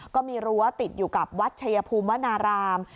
ก็มีรั้วติดอยู่กับวัดชายภูมิวนาราม